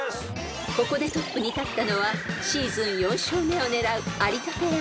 ［ここでトップに立ったのはシーズン４勝目を狙う有田ペア］